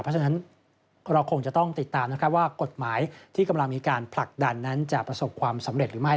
เพราะฉะนั้นเราคงจะต้องติดตามนะครับว่ากฎหมายที่กำลังมีการผลักดันนั้นจะประสบความสำเร็จหรือไม่